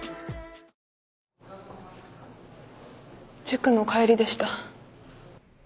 塾の帰りでした。